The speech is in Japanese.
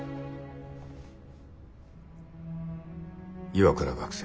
岩倉学生